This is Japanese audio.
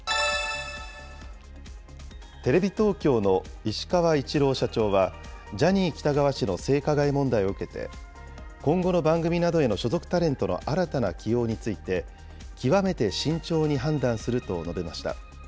テレビ東京の石川一郎社長は、ジャニー喜多川氏の性加害問題を受けて、今後の番組などへの所属タレントの新たな起用について、極めて慎重に判断すると述べました。